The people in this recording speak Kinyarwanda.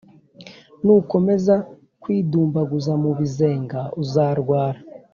Nukomeza kwidumbaguza mu bizenga uzarwara